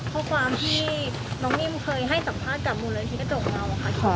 ข้อความที่น้องนิ่มเคยให้สัมภาษณ์กับมูลนิธิกระจกเงาค่ะ